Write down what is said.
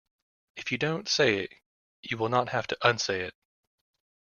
If you don't say it you will not have to unsay it.